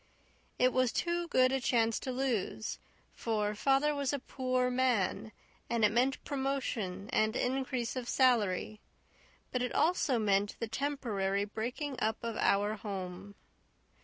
It was too good a chance to lose, for father was a poor man and it meant promotion and increase of salary; but it also meant the temporary breaking up of our home.